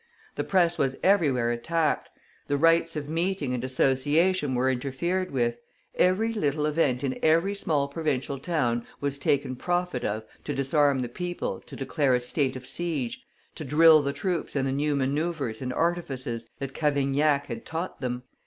The Press was everywhere attacked, the rights of meeting and association were interfered with, every little event in every small provincial town was taken profit of to disarm the people to declare a state of siege, to drill the troops in the new manoeuvres and artifices that Cavaignac had taught them.